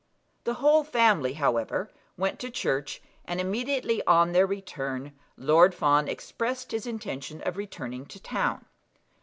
The whole family, however, went to church, and immediately on their return Lord Fawn expressed his intention of returning to town.